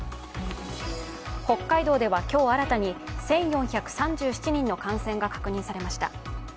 北海道では今日、新たに１４３７人の感染が確認されました。